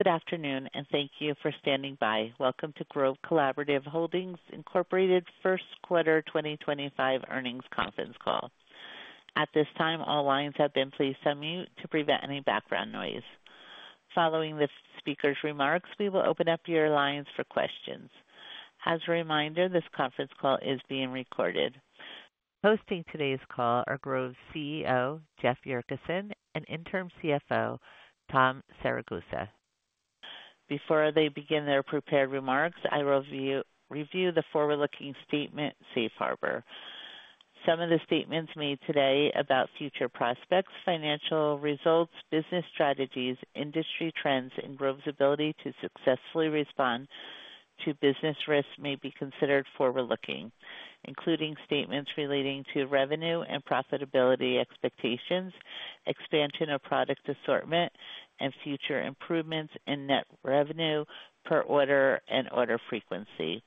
Good afternoon, and thank you for standing by. Welcome to Grove Collaborative Holdings' first quarter 2025 earnings conference call. At this time, all lines have been placed on mute to prevent any background noise. Following the speaker's remarks, we will open up your lines for questions. As a reminder, this conference call is being recorded. Hosting today's call are Grove's CEO, Jeff Yurcisin, and Interim CFO, Tom Siragusa. Before they begin their prepared remarks, I will review the forward-looking statement safe harbor. Some of the statements made today about future prospects, financial results, business strategies, industry trends, and Grove's ability to successfully respond to business risks may be considered forward-looking, including statements relating to revenue and profitability expectations, expansion of product assortment, and future improvements in net revenue per order and order frequency.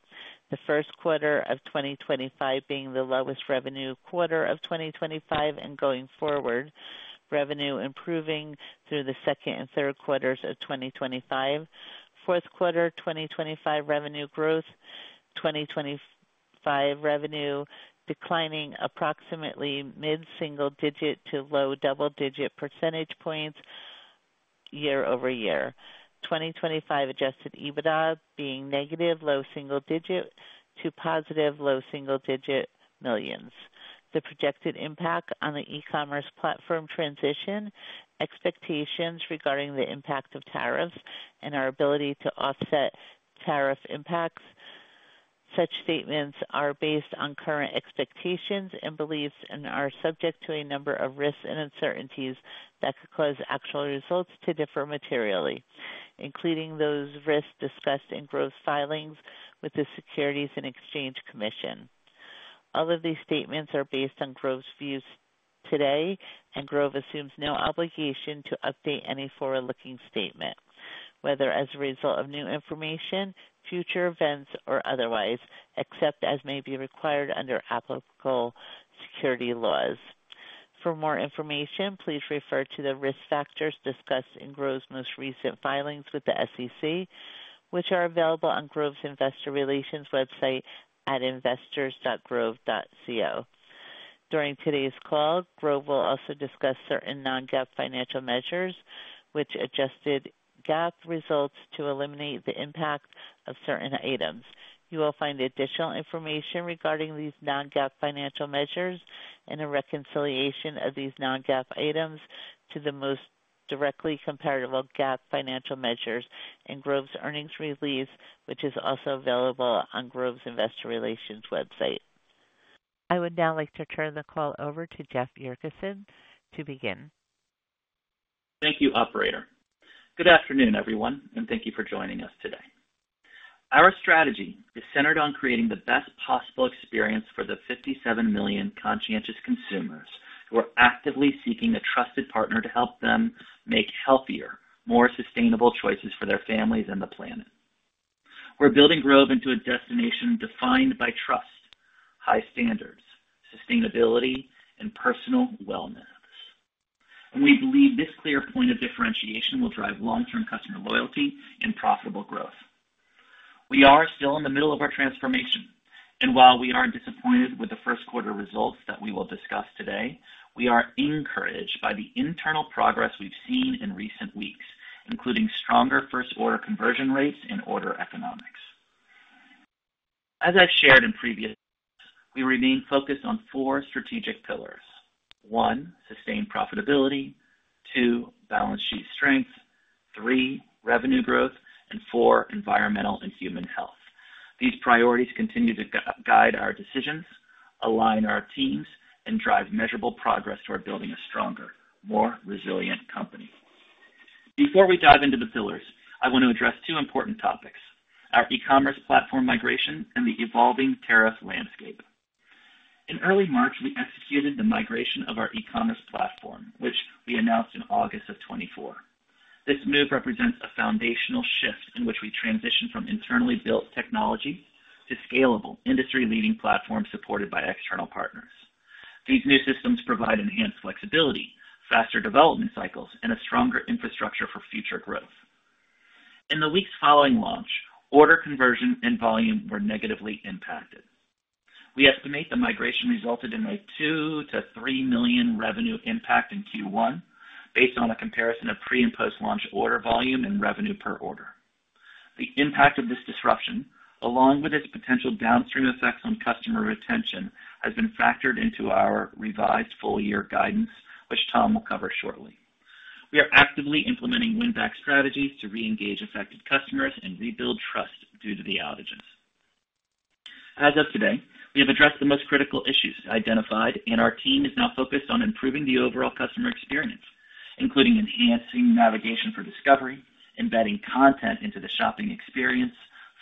The first quarter of 2025 being the lowest revenue quarter of 2025, and going forward, revenue improving through the second and third quarters of 2025. Fourth quarter 2025 revenue growth, 2025 revenue declining approximately mid-single digit to low double digit percentage points year-over-year. 2025 Adjusted EBITDA being negative low single digit to positive low single digit millions. The projected impact on the e-commerce platform transition, expectations regarding the impact of tariffs, and our ability to offset tariff impacts. Such statements are based on current expectations and beliefs and are subject to a number of risks and uncertainties that could cause actual results to differ materially, including those risks discussed in Grove's filings with the Securities and Exchange Commission. All of these statements are based on Grove's views today, and Grove assumes no obligation to update any forward-looking statement, whether as a result of new information, future events, or otherwise, except as may be required under applicable securities laws. For more information, please refer to the risk factors discussed in Grove's most recent filings with the SEC, which are available on Grove's investor relations website at investors.grove.co. During today's call, Grove will also discuss certain non-GAAP financial measures, which adjust GAAP results to eliminate the impact of certain items. You will find additional information regarding these non-GAAP financial measures and a reconciliation of these non-GAAP items to the most directly comparable GAAP financial measures in Grove's earnings release, which is also available on Grove's investor relations website. I would now like to turn the call over to Jeff Yurcisin to begin. Thank you, operator. Good afternoon, everyone, and thank you for joining us today. Our strategy is centered on creating the best possible experience for the 57 million conscientious consumers who are actively seeking a trusted partner to help them make healthier, more sustainable choices for their families and the planet. We're building Grove into a destination defined by trust, high standards, sustainability, and personal wellness. We believe this clear point of differentiation will drive long-term customer loyalty and profitable growth. We are still in the middle of our transformation, and while we are disappointed with the first quarter results that we will discuss today, we are encouraged by the internal progress we've seen in recent weeks, including stronger first-order conversion rates and order economics. As I've shared in previous videos, we remain focused on four strategic pillars. One, sustained profitability. Two, balance sheet strength. Three, revenue growthm and four, environmental and human health. These priorities continue to guide our decisions, align our teams, and drive measurable progress toward building a stronger, more resilient company. Before we dive into the pillars, I want to address two important topics: our e-commerce platform migration and the evolving tariff landscape. In early March, we executed the migration of our e-commerce platform, which we announced in August of 2024. This move represents a foundational shift in which we transition from internally built technology to scalable, industry-leading platforms supported by external partners. These new systems provide enhanced flexibility, faster development cycles, and a stronger infrastructure for future growth. In the weeks following launch, order conversion and volume were negatively impacted. We estimate the migration resulted in a $2 million-$3 million revenue impact in Q1, based on a comparison of pre- and post-launch order volume and revenue per order. The impact of this disruption, along with its potential downstream effects on customer retention, has been factored into our revised full-year guidance, which Tom will cover shortly. We are actively implementing win-back strategies to re-engage affected customers and rebuild trust due to the outages. As of today, we have addressed the most critical issues identified, and our team is now focused on improving the overall customer experience, including enhancing navigation for discovery, embedding content into the shopping experience,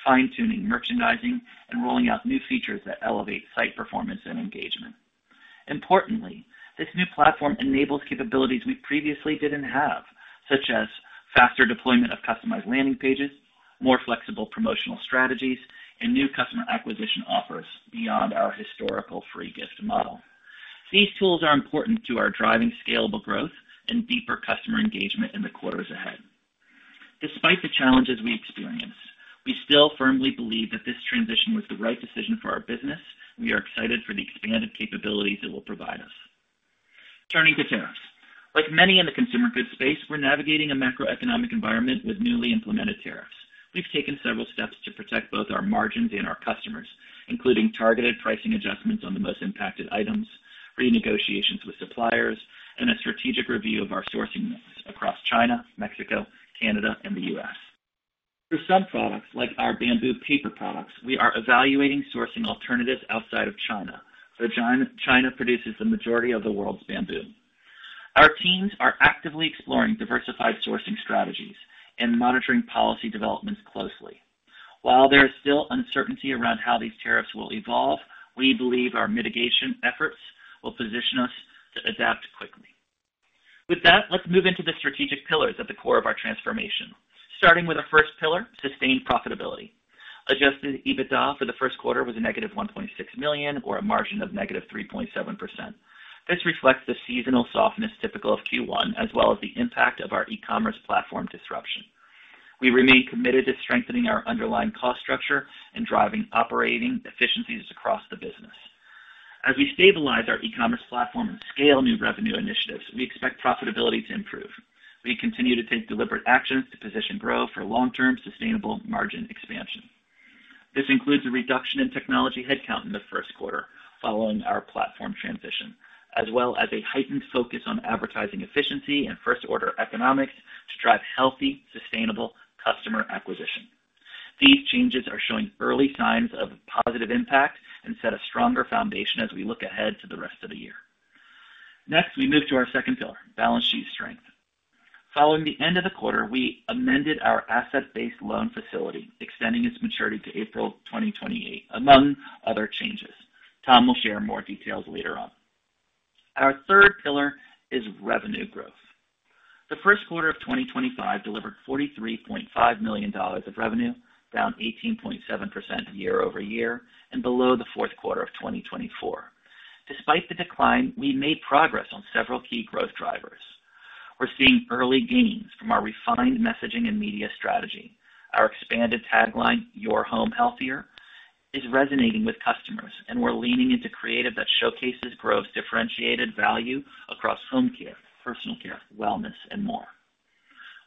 fine-tuning merchandising, and rolling out new features that elevate site performance and engagement. Importantly, this new platform enables capabilities we previously did not have, such as faster deployment of customized landing pages, more flexible promotional strategies, and new customer acquisition offers beyond our historical free gift model. These tools are important to our driving scalable growth and deeper customer engagement in the quarters ahead. Despite the challenges we experience, we still firmly believe that this transition was the right decision for our business, and we are excited for the expanded capabilities it will provide us. Turning to tariffs. Like many in the consumer goods space, we're navigating a macroeconomic environment with newly implemented tariffs. We've taken several steps to protect both our margins and our customers, including targeted pricing adjustments on the most impacted items, renegotiations with suppliers, and a strategic review of our sourcing notes across China, Mexico, Canada, and the U.S. For some products, like our bamboo paper products, we are evaluating sourcing alternatives outside of China, where China produces the majority of the world's bamboo. Our teams are actively exploring diversified sourcing strategies and monitoring policy developments closely. While there is still uncertainty around how these tariffs will evolve, we believe our mitigation efforts will position us to adapt quickly. With that, let's move into the strategic pillars at the core of our transformation, starting with the first pillar, sustained profitability. Adjusted EBITDA for the first quarter was a -$1.6 million or a margin of -3.7%. This reflects the seasonal softness typical of Q1, as well as the impact of our e-commerce platform disruption. We remain committed to strengthening our underlying cost structure and driving operating efficiencies across the business. As we stabilize our e-commerce platform and scale new revenue initiatives, we expect profitability to improve. We continue to take deliberate actions to position Grove for long-term sustainable margin expansion. This includes a reduction in technology headcount in the first quarter following our platform transition, as well as a heightened focus on advertising efficiency and first-order economics to drive healthy, sustainable customer acquisition. These changes are showing early signs of positive impact and set a stronger foundation as we look ahead to the rest of the year. Next, we move to our second pillar, balance sheet strength. Following the end of the quarter, we amended our asset-based loan facility, extending its maturity to April 2028, among other changes. Tom will share more details later on. Our third pillar is revenue growth. The first quarter of 2025 delivered $43.5 million of revenue, down 18.7% year-over-year, and below the fourth quarter of 2024. Despite the decline, we made progress on several key growth drivers. We're seeing early gains from our refined messaging and media strategy. Our expanded tagline, "Your home healthier," is resonating with customers, and we're leaning into creative that showcases Grove's differentiated value across home care, personal care, wellness, and more.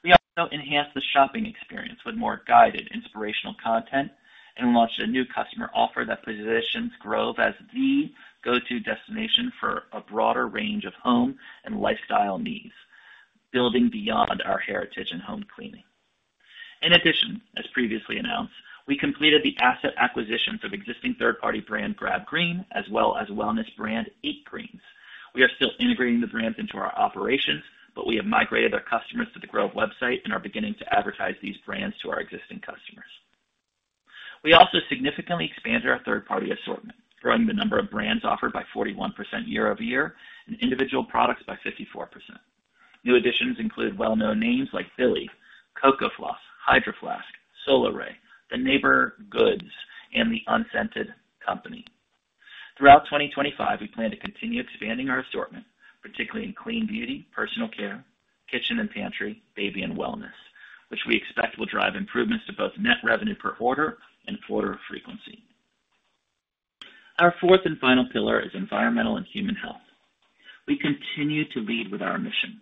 We also enhanced the shopping experience with more guided, inspirational content and launched a new customer offer that positions Grove as the go-to destination for a broader range of home and lifestyle needs, building beyond our heritage in home cleaning. In addition, as previously announced, we completed the asset acquisitions of existing third-party brand Grab Green, as well as wellness brand Eat Greens. We are still integrating the brands into our operations, but we have migrated our customers to the Grove website and are beginning to advertise these brands to our existing customers. We also significantly expanded our third-party assortment, growing the number of brands offered by 41% year-over-year and individual products by 54%. New additions include well-known names like Philly, Cocofloss, Hydro Flask, Solaray, Neighbor Goods, and The Unscented Company. Throughout 2025, we plan to continue expanding our assortment, particularly in clean beauty, personal care, kitchen and pantry, baby and wellness, which we expect will drive improvements to both net revenue per order and order frequency. Our fourth and final pillar is environmental and human health. We continue to lead with our mission.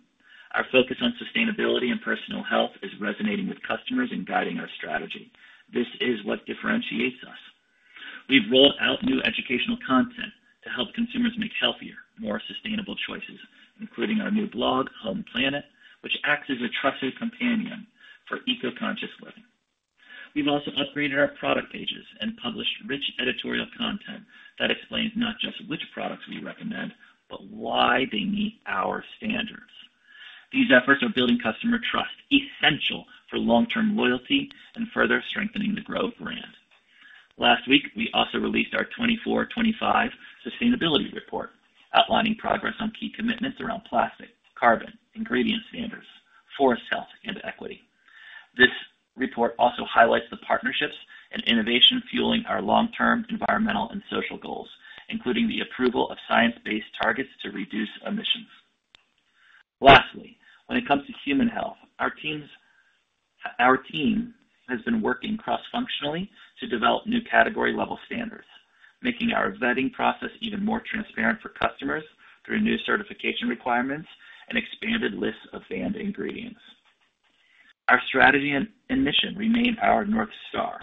Our focus on sustainability and personal health is resonating with customers and guiding our strategy. This is what differentiates us. We've rolled out new educational content to help consumers make healthier, more sustainable choices, including our new blog, Home Planet, which acts as a trusted companion for eco-conscious living. We've also upgraded our product pages and published rich editorial content that explains not just which products we recommend, but why they meet our standards. These efforts are building customer trust, essential for long-term loyalty and further strengthening the Grove brand. Last week, we also released our 2024-2025 sustainability report, outlining progress on key commitments around plastic, carbon, ingredient standards, forest health, and equity. This report also highlights the partnerships and innovation fueling our long-term environmental and social goals, including the approval of science-based targets to reduce emissions. Lastly, when it comes to human health, our team has been working cross-functionally to develop new category-level standards, making our vetting process even more transparent for customers through new certification requirements and expanded lists of banned ingredients. Our strategy and mission remain our North Star.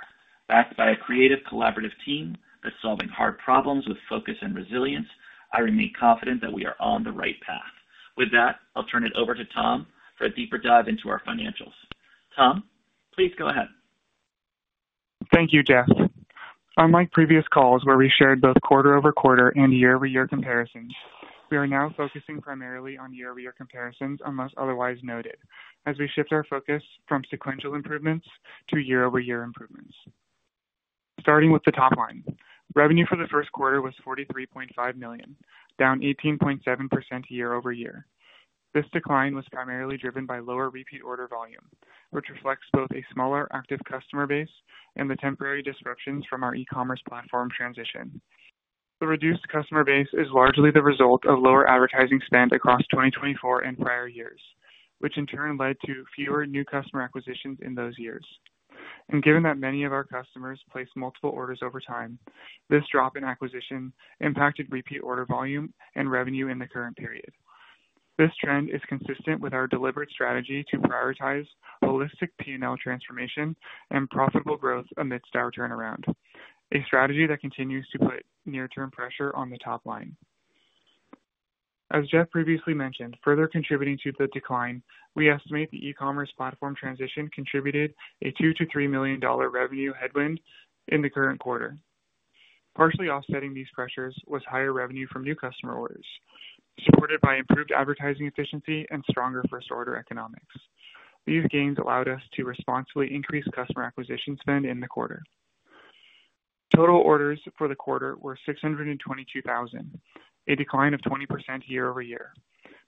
Backed by a creative, collaborative team that's solving hard problems with focus and resilience, I remain confident that we are on the right path. With that, I'll turn it over to Tom for a deeper dive into our financials. Tom, please go ahead. Thank you, Jeff. Unlike previous calls where we shared both quarter-over-quarter and year-over-year comparisons, we are now focusing primarily on year-over-year comparisons unless otherwise noted, as we shift our focus from sequential improvements to year-over-year improvements. Starting with the top line, revenue for the first quarter was $43.5 million, down 18.7% year-over-year. This decline was primarily driven by lower repeat order volume, which reflects both a smaller active customer base and the temporary disruptions from our e-commerce platform transition. The reduced customer base is largely the result of lower advertising spend across 2024 and prior years, which in turn led to fewer new customer acquisitions in those years. Given that many of our customers place multiple orders over time, this drop in acquisition impacted repeat order volume and revenue in the current period. This trend is consistent with our deliberate strategy to prioritize holistic P&L transformation and profitable growth amidst our turnaround, a strategy that continues to put near-term pressure on the top line. As Jeff previously mentioned, further contributing to the decline, we estimate the e-commerce platform transition contributed a $2 million-$3 million revenue headwind in the current quarter. Partially offsetting these pressures was higher revenue from new customer orders, supported by improved advertising efficiency and stronger first-order economics. These gains allowed us to responsibly increase customer acquisition spend in the quarter. Total orders for the quarter were 622,000, a decline of 20% year-over-year,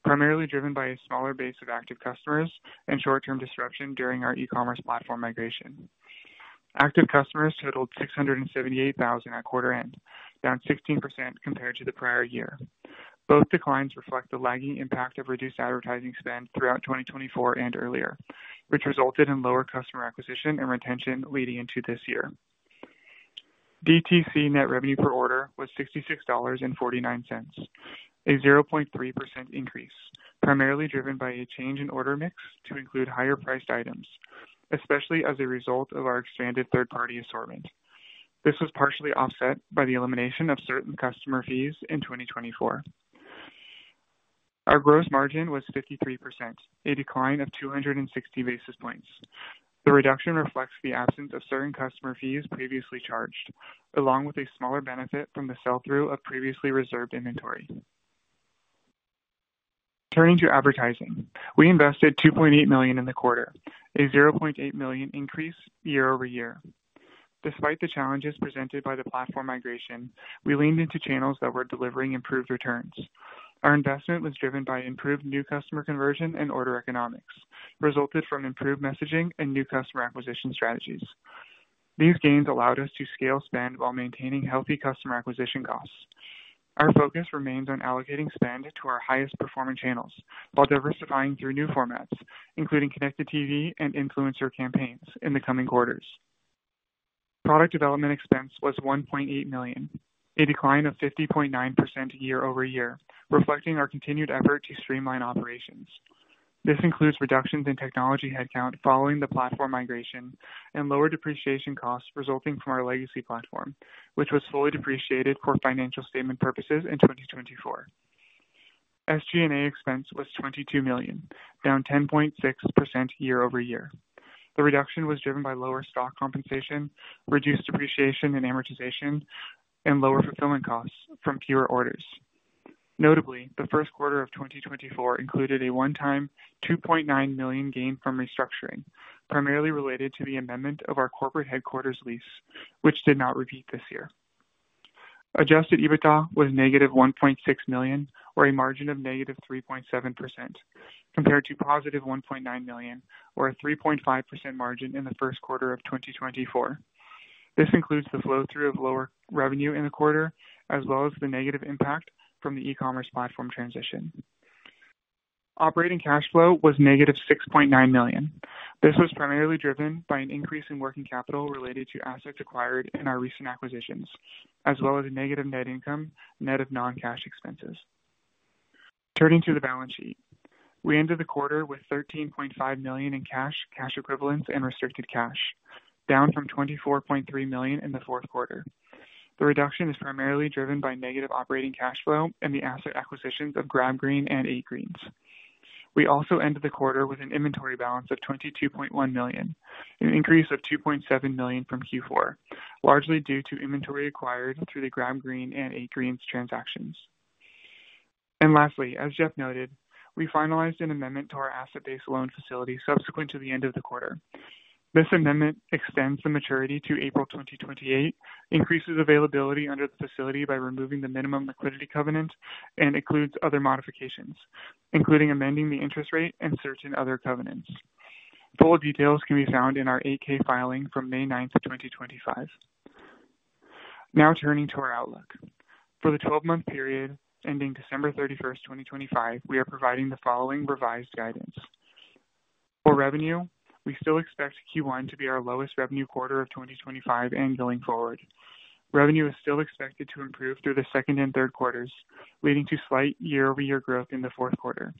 primarily driven by a smaller base of active customers and short-term disruption during our e-commerce platform migration. Active customers totaled 678,000 at quarter end, down 16% compared to the prior year. Both declines reflect the lagging impact of reduced advertising spend throughout 2024 and earlier, which resulted in lower customer acquisition and retention leading into this year. DTC net revenue per order was $66.49, a 0.3% increase, primarily driven by a change in order mix to include higher-priced items, especially as a result of our expanded third-party assortment. This was partially offset by the elimination of certain customer fees in 2024. Our gross margin was 53%, a decline of 260 basis points. The reduction reflects the absence of certain customer fees previously charged, along with a smaller benefit from the sell-through of previously reserved inventory. Turning to advertising, we invested $2.8 million in the quarter, a $0.8 million increase year-over-year. Despite the challenges presented by the platform migration, we leaned into channels that were delivering improved returns. Our investment was driven by improved new customer conversion and order economics, resulted from improved messaging and new customer acquisition strategies. These gains allowed us to scale spend while maintaining healthy customer acquisition costs. Our focus remains on allocating spend to our highest-performing channels while diversifying through new formats, including connected TV and influencer campaigns, in the coming quarters. Product development expense was $1.8 million, a decline of 50.9% year-over-year, reflecting our continued effort to streamline operations. This includes reductions in technology headcount following the platform migration and lower depreciation costs resulting from our legacy platform, which was fully depreciated for financial statement purposes in 2024. SG&A expense was $22 million, down 10.6% year-over-year. The reduction was driven by lower stock compensation, reduced depreciation and amortization, and lower fulfillment costs from fewer orders. Notably, the first quarter of 2024 included a one-time $2.9 million gain from restructuring, primarily related to the amendment of our corporate headquarters lease, which did not repeat this year. Adjusted EBITDA was -$1.6 million, or a margin of -3.7%, compared to +$1.9 million, or a 3.5% margin in the first quarter of 2024. This includes the flow-through of lower revenue in the quarter, as well as the negative impact from the e-commerce platform transition. Operating cash flow was -$6.9 million. This was primarily driven by an increase in working capital related to assets acquired in our recent acquisitions, as well as a negative net income, net of non-cash expenses. Turning to the balance sheet, we ended the quarter with $13.5 million in cash, cash equivalents, and restricted cash, down from $24.3 million in the fourth quarter. The reduction is primarily driven by negative operating cash flow and the asset acquisitions of Grab Green and Eat Greens. We also ended the quarter with an inventory balance of $22.1 million, an increase of $2.7 million from Q4, largely due to inventory acquired through the Grab Green and Eat Greens transactions. Lastly, as Jeff noted, we finalized an amendment to our asset-based loan facility subsequent to the end of the quarter. This amendment extends the maturity to April 2028, increases availability under the facility by removing the minimum liquidity covenant, and includes other modifications, including amending the interest rate and certain other covenants. Full details can be found in our 8-K filing from May 9, 2025. Now turning to our outlook. For the 12-month period ending December 31st, 2025, we are providing the following revised guidance. For revenue, we still expect Q1 to be our lowest revenue quarter of 2025 and going forward. Revenue is still expected to improve through the second and third quarters, leading to slight year-over-year growth in the fourth quarter.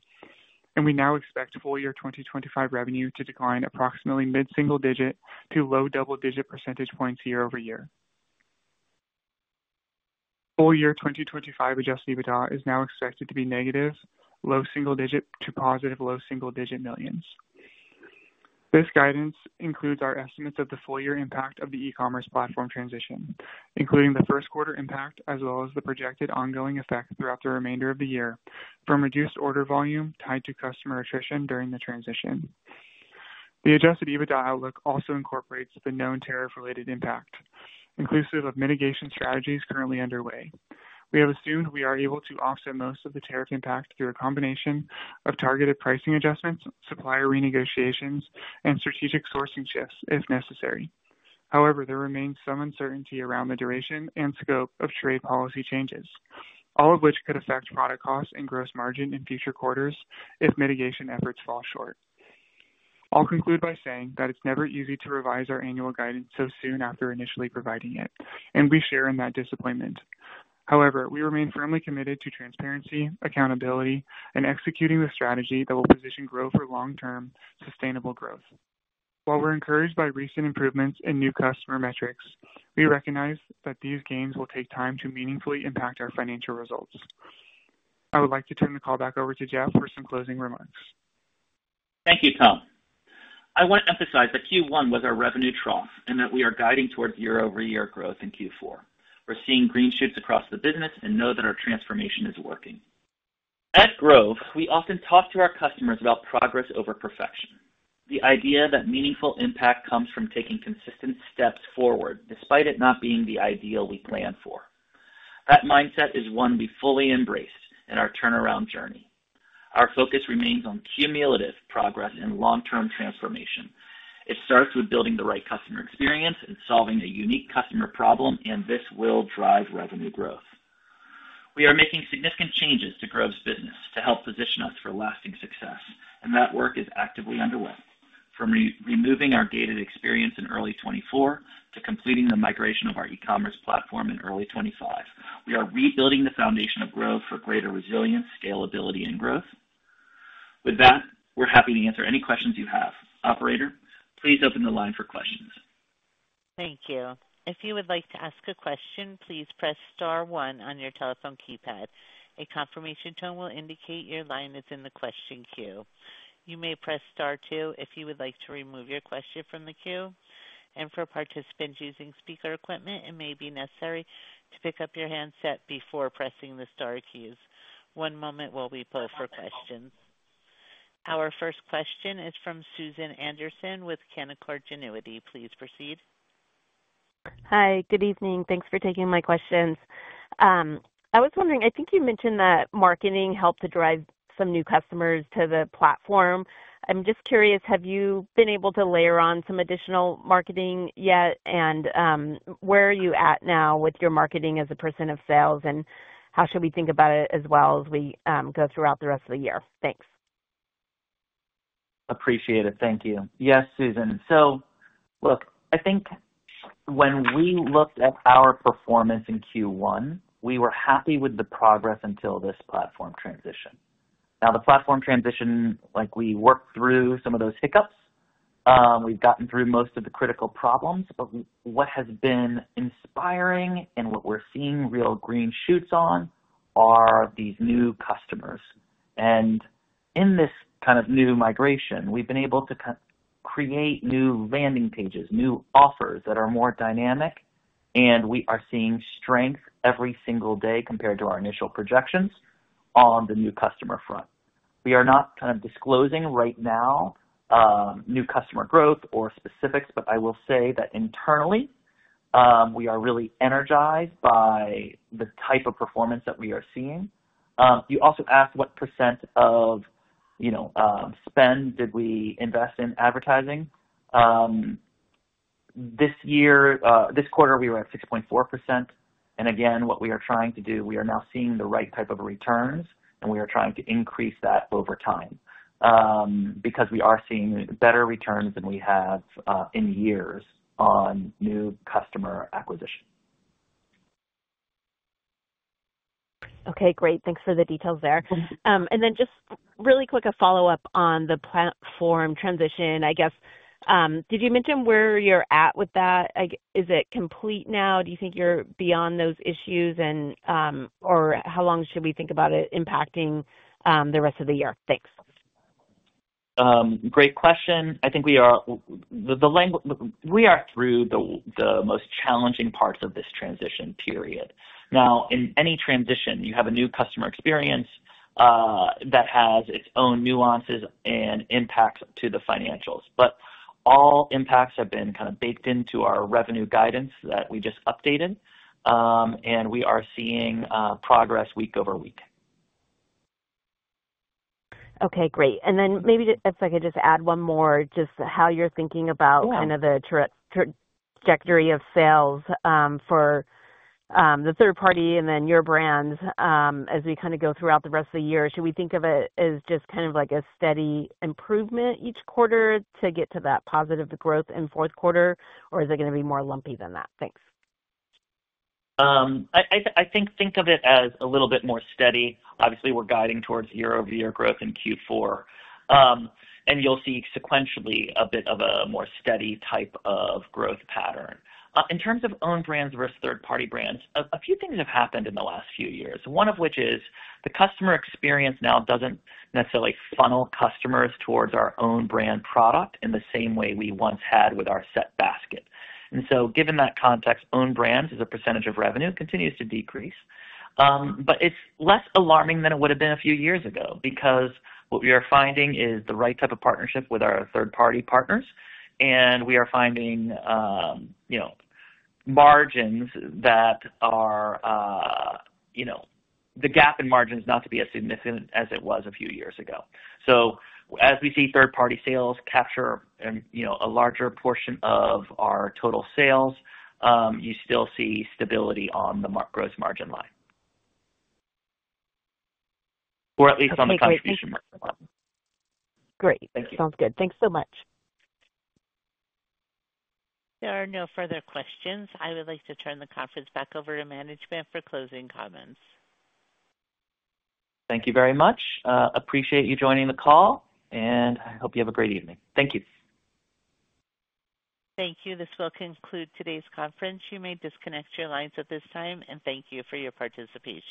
We now expect full year 2025 revenue to decline approximately mid-single digit to low double-digit percentage points year-over-year. Full year 2025 Adjusted EBITDA is now expected to be negative low single digit to positive low single digit millions. This guidance includes our estimates of the full year impact of the e-commerce platform transition, including the first quarter impact as well as the projected ongoing effect throughout the remainder of the year from reduced order volume tied to customer attrition during the transition. The Adjusted EBITDA outlook also incorporates the known tariff-related impact, inclusive of mitigation strategies currently underway. We have assumed we are able to offset most of the tariff impact through a combination of targeted pricing adjustments, supplier renegotiations, and strategic sourcing shifts if necessary. However, there remains some uncertainty around the duration and scope of trade policy changes, all of which could affect product costs and gross margin in future quarters if mitigation efforts fall short. I'll conclude by saying that it's never easy to revise our annual guidance so soon after initially providing it, and we share in that disappointment. However, we remain firmly committed to transparency, accountability, and executing the strategy that will position Grove for long-term sustainable growth. While we're encouraged by recent improvements in new customer metrics, we recognize that these gains will take time to meaningfully impact our financial results. I would like to turn the call back over to Jeff for some closing remarks. Thank you, Tom. I want to emphasize that Q1 was our revenue trough and that we are guiding towards year-over-year growth in Q4. We're seeing green shoots across the business and know that our transformation is working. At Grove, we often talk to our customers about progress over perfection, the idea that meaningful impact comes from taking consistent steps forward despite it not being the ideal we planned for. That mindset is one we fully embrace in our turnaround journey. Our focus remains on cumulative progress and long-term transformation. It starts with building the right customer experience and solving a unique customer problem, and this will drive revenue growth. We are making significant changes to Grove's business to help position us for lasting success, and that work is actively underway. From removing our gated experience in early 2024 to completing the migration of our e-commerce platform in early 2025, we are rebuilding the foundation of Grove for greater resilience, scalability, and growth. With that, we're happy to answer any questions you have. Operator, please open the line for questions. Thank you. If you would like to ask a question, please press star one on your telephone keypad. A confirmation tone will indicate your line is in the question queue. You may press star two if you would like to remove your question from the queue. For participants using speaker equipment, it may be necessary to pick up your handset before pressing the star keys. One moment while we pull up for questions. Our first question is from Susan Anderson with Canaccord Genuity. Please proceed. Hi, good evening. Thanks for taking my questions. I was wondering, I think you mentioned that marketing helped to drive some new customers to the platform. I'm just curious, have you been able to layer on some additional marketing yet? Where are you at now with your marketing as a percent of sales? How should we think about it as well as we go throughout the rest of the year? Thanks. Appreciate it. Thank you. Yes, Susan. Look, I think when we looked at our performance in Q1, we were happy with the progress until this platform transition. Now, the platform transition, we worked through some of those hiccups. We've gotten through most of the critical problems. What has been inspiring and what we're seeing real green shoots on are these new customers. In this kind of new migration, we've been able to create new landing pages, new offers that are more dynamic, and we are seeing strength every single day compared to our initial projections on the new customer front. We are not disclosing right now new customer growth or specifics, but I will say that internally, we are really energized by the type of performance that we are seeing. You also asked what percent of spend did we invest in advertising. This quarter, we were at 6.4%. Again, what we are trying to do, we are now seeing the right type of returns, and we are trying to increase that over time because we are seeing better returns than we have in years on new customer acquisition. Okay, great. Thanks for the details there. Then just really quick, a follow-up on the platform transition. I guess, did you mention where you're at with that? Is it complete now? Do you think you're beyond those issues, or how long should we think about it impacting the rest of the year? Thanks. Great question. I think we are through the most challenging parts of this transition period. Now, in any transition, you have a new customer experience that has its own nuances and impacts to the financials. All impacts have been kind of baked into our revenue guidance that we just updated, and we are seeing progress week over week. Okay, great. Maybe if I could just add one more, just how you're thinking about kind of the trajectory of sales for the third party and then your brand as we kind of go throughout the rest of the year. Should we think of it as just kind of like a steady improvement each quarter to get to that positive growth in fourth quarter, or is it going to be more lumpy than that? Thanks. I think of it as a little bit more steady. Obviously, we're guiding towards year-over-year growth in Q4, and you'll see sequentially a bit of a more steady type of growth pattern. In terms of own brands versus third-party brands, a few things have happened in the last few years, one of which is the customer experience now doesn't necessarily funnel customers towards our own brand product in the same way we once had with our set basket. Given that context, own brands as a percentage of revenue continues to decrease. It's less alarming than it would have been a few years ago because what we are finding is the right type of partnership with our third-party partners, and we are finding margins that are the gap in margins not to be as significant as it was a few years ago. As we see third-party sales capture a larger portion of our total sales, you still see stability on the gross margin line, or at least on the contribution margin line. Great. Sounds good. Thanks so much. There are no further questions. I would like to turn the conference back over to management for closing comments. Thank you very much. Appreciate you joining the call, and I hope you have a great evening. Thank you. Thank you. This will conclude today's conference. You may disconnect your lines at this time, and thank you for your participation.